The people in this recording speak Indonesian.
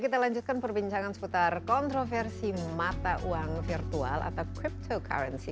kita lanjutkan perbincangan seputar kontroversi mata uang virtual atau cryptocurrency